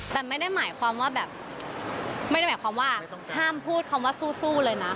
แต่ไม่ได้หมายความว่าแบบไม่ได้หมายความว่าห้ามพูดคำว่าสู้เลยนะ